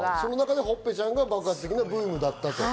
その中でほっぺちゃんが爆発的ブームだった。